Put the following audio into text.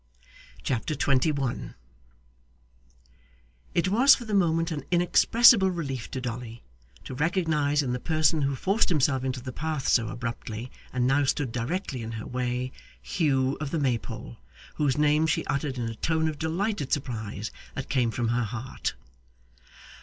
Chapter 21 It was for the moment an inexpressible relief to Dolly, to recognise in the person who forced himself into the path so abruptly, and now stood directly in her way, Hugh of the Maypole, whose name she uttered in a tone of delighted surprise that came from her heart.